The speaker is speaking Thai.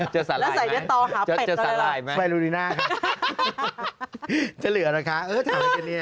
ถ้าใส่เน็ตตอหาแป็ดไปรูนาค่ะจะเหลือนะคะเอ้อถามไอ้เจนเนี่ย